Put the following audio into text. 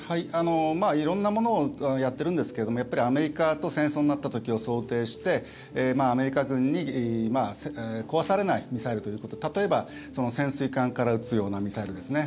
色んなものをやっているんですけどもやっぱりアメリカと戦争になった時を想定してアメリカ軍に壊されないミサイルということ例えば、潜水艦から撃つようなミサイルですね。